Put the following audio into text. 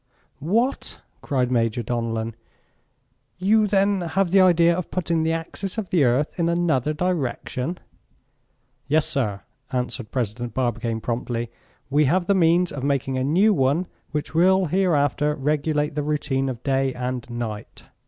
"What!" cried Major Donellan, "you then have the idea of putting the axis of the earth in another direction?" "Yes, sir," answered President Barbicane promptly. "We have the means of making a new one which will hereafter regulate the routine of day and night."